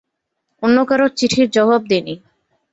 অন্য কারোর চিঠির জবাব দিই নি।